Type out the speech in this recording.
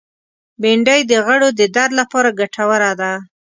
بېنډۍ د غړو د درد لپاره ګټوره ده